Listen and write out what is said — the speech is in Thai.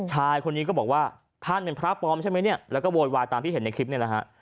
ชายคนนี้ก็บอกว่าท่านเป็นพระปลอมใช่ไหมเนี่ยแล้วก็โวยวายตามที่เห็นในคลิปนี่แหละฮะ